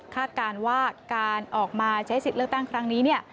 คาดการณ์ว่าการออกมาใช้สิทธิ์เลือกตั้งครั้งนี้